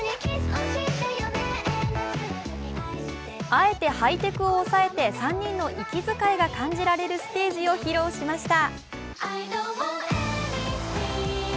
あえてハイテクを抑えて３人の息づかいが感じられるステージを披露しました。